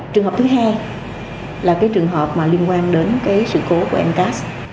trường hợp thứ hai là trường hợp liên quan đến sự khối của mcas